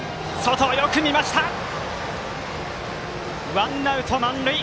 ワンアウト、満塁！